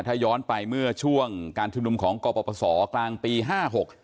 ถ้าย้อนไปเมื่อช่วงการชุมนุมของกรปศกลางปีห้าหก